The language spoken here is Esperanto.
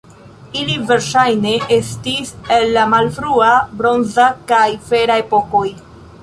Ili verŝajne estis el la malfrua bronza kaj fera epokoj.